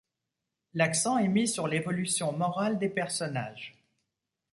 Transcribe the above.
L'accent est mis sur l'évolution morale des personnages.